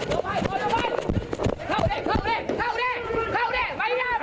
โอเคมีทเกียร์